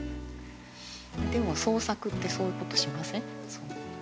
でも創作ってそういうことしません？